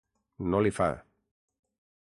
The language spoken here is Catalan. No li fa.